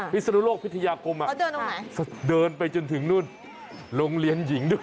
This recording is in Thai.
พิศนุโลกพิทยากรมเขาเดินตรงไหนเดินไปจนถึงนู่นโรงเรียนหญิงด้วย